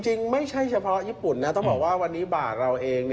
จริงไม่ใช่เฉพาะญี่ปุ่นนะต้องบอกว่าวันนี้บาทเราเอง